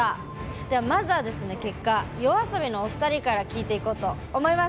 ではまずはですね結果ＹＯＡＳＯＢＩのお二人から聞いていこうと思います。